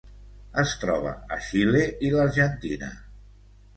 Es troba a Xile i l'Argentina.